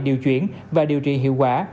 điều chuyển và điều trị hiệu quả